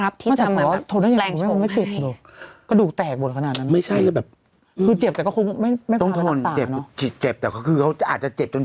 อาจจะเจ็บจนชินหรือปะกันจริง